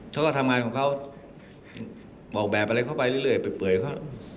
เขาก็ทำงานของเขาออกแบบอะไรเข้าไปเรื่อยไปเปื่อยเขา